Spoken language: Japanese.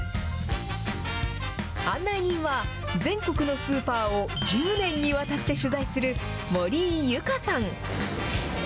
案内人は、全国のスーパーを１０年にわたって取材する森井ユカさん。